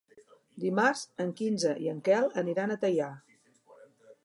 Dimarts en Quirze i en Quel aniran a Teià.